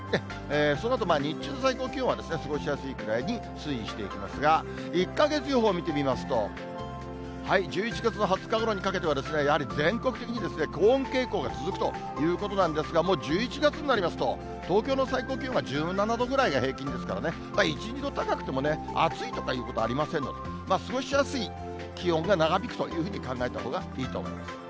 そのあと日中の最高気温は過ごしやすいくらいに推移していきますが、１か月予報見てみますと、１１月の２０日ごろにかけては、やはり全国的に高温傾向が続くということなんですが、もう１１月になりますと、東京の最高気温が１７度ぐらいが平均ですからね、１、２度高くても、暑いとかいうことありませんので、過ごしやすい気温が長引くというふうに考えたほうがいいと思います。